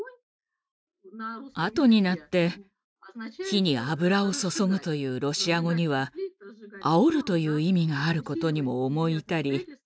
あとになって「火に油を注ぐ」というロシア語には「煽る」という意味があることにも思い至り